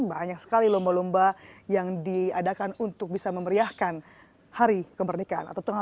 banyak sekali lomba lomba yang diadakan untuk bisa memeriahkan hari kemerdekaan